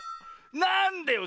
なんでよ